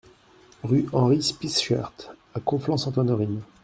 Rue Henri Spysschaert à Conflans-Sainte-Honorine